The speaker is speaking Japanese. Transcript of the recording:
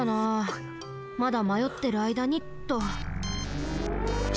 まだまよってるあいだにっと。